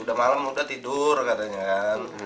udah malam udah tidur katanya kan